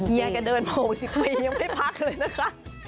ยายแกเดินมา๖๐ปียังไม่พักเลยนะคะ